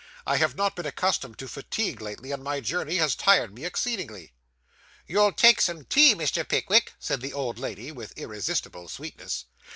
I have not been accustomed to fatigue lately, and my journey has tired me exceedingly.' 'You'll take some tea, Mr. Pickwick?' said the old lady, with irresistible sweetness.